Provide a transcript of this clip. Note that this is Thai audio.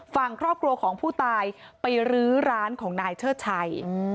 ฝั่งครอบครัวของผู้ตายไปรื้อร้านของนายเชิดชัย